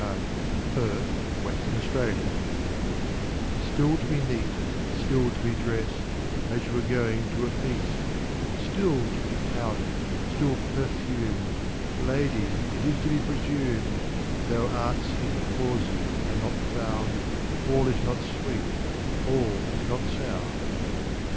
Ben Jonson Clerimont's Song STILL to be neat, still to be dressed, As you were going to a feast; Still to be powdered, still perfumed; Lady, it is to be presumed, Though art's hid causes are not found, All is not sweet, all is not sound.